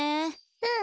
うん。